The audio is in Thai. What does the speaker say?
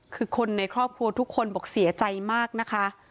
คือคนในครอบครัวทุกคนบอกเสียใจมากนะคะ